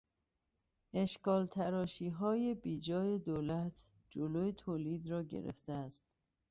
اشکال تراشیهای بیجای دولت جلو تولید را گرفته است.